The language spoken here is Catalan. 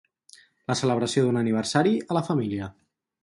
La celebració d'un aniversari a la família.